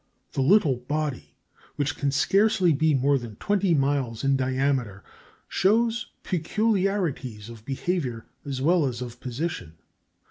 The little body which can scarcely be more than twenty miles in diameter shows peculiarities of behaviour as well as of position.